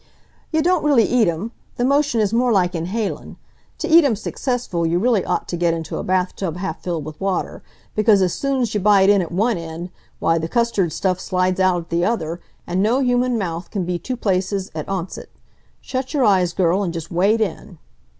"Yuh don't really eat 'em. The motion is more like inhalin'. T' eat 'em successful you really ought t' get into a bath tub half filled with water, because as soon's you bite in at one end w'y the custard stuff slides out at the other, an' no human mouth c'n be two places at oncet. Shut your eyes girl, an' just wade in."